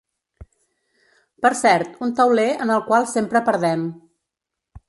Per cert, un tauler en el qual sempre perdem.